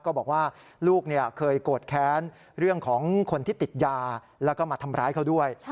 ก็บอกว่าลูกเคยโกรธแค้นเรื่องของคนที่ติดยาแล้วก็มาทำร้ายเขาด้วย